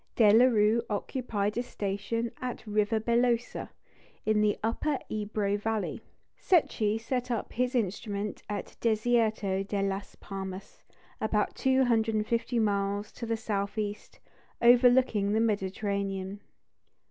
De la Rue occupied a station at Rivabellosa, in the Upper Ebro valley; Secchi set up his instrument at Desierto de las Palmas, about 250 miles to the south east, overlooking the Mediterranean.